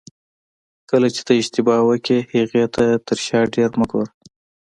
کله چې ته اشتباه وکړې هغې ته تر شا ډېر مه ګوره.